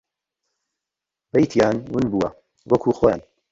بەیتیان ون بووە وەکوو خۆیان